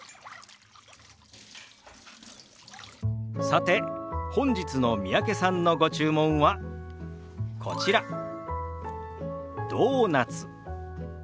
さて本日の三宅さんのご注文はこちら「ドーナツ」。